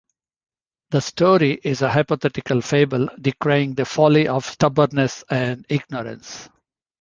The story is a hypothetical fable decrying the folly of stubbornness and ignorance.